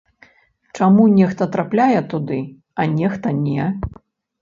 Чаму нехта трапляе туды, а нехта не?